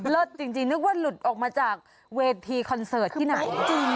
จริงนึกว่าหลุดออกมาจากเวทีคอนเสิร์ตที่ไหน